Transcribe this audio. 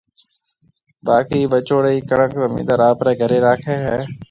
باڪِي بچوڙِي ڪڻڪ زميندار آپريَ گهريَ راکَي هيَ۔